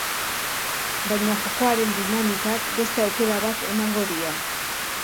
Baina jokoaren dinamikak beste aukera bat emango die.